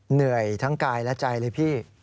เหนื่อยทั้งกายและใจเลยพี่